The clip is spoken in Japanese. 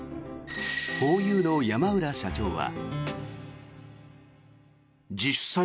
ホーユーの山浦社長は。